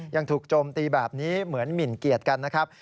ยังถูกโจมตีแบบนี้เหมือนหมินเกียรติกันนะครับ